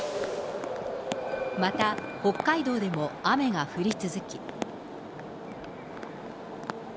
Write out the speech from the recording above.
また、北海道でも雨が降り続き。